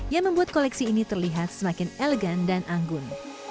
yang membuat koleksi ini terlihat semakin elegan dan anggun